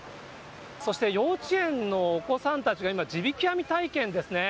そして幼稚園のお子さんたちが今、地引き網体験ですね。